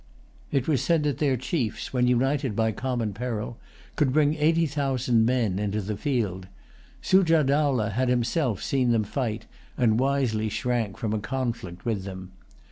It was said that their chiefs, when united by common peril, could bring eighty thousand men into the field. Sujah Dowlah had himself seen them fight, and wisely shrank from a conflict with them.